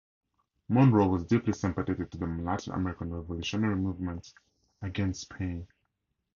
Monroe was deeply sympathetic to the Latin American revolutionary movements against Spain.